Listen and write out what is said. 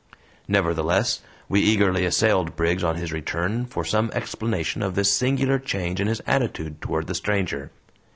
Nevertheless, we eagerly assailed Briggs on his return for some explanation of this singular change in his attitude toward the stranger.